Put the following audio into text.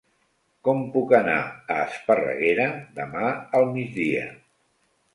Com puc anar a Esparreguera demà al migdia?